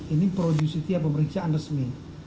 ini produsitia pemeriksaan resmi